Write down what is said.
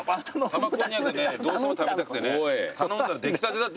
玉こんにゃくねどうしても食べたくてね頼んだら出来たてだっていうからね。